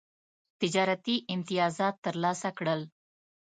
تجارتي امتیازات ترلاسه کړل.